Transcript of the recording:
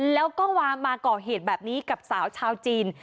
แล้วก็มาก่อเหตุแบบนี้กับสาวชาวจีน